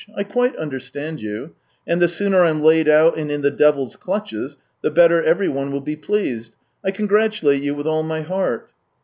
I quite understand you. And the sooner I'm laid out and in the devil's clutches, the better everyone will be pleased. I congratulate you with all my heart."